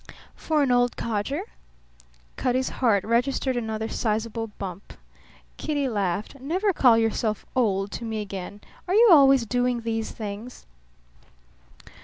"For an old codger?" Cutty's heart registered another sizable bump. Kitty laughed. "Never call yourself old to me again. Are you always doing these things?"